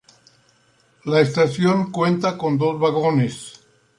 La estación cuenta con dos vagones.